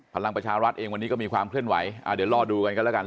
พลังประชารัฐเองวันนี้ก็มีความเคลื่อนไหวเดี๋ยวรอดูกันกันแล้วกัน